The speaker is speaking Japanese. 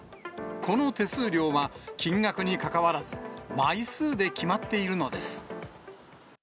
この手数料は、金額にかかわらず、枚数で決まっているのです。